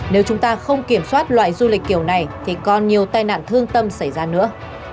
nếu chúng ta không kiểm soát loại du lịch kiểu này thì còn nhiều tai nạn thương tâm xảy ra nữa